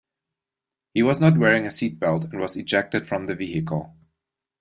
He was not wearing a seat belt and was ejected from the vehicle.